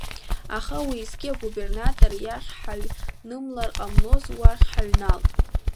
Аха уеизгьы агубернатор иахь ҳаҩнамлар ҟаломызт, уахь ҳаҩналт.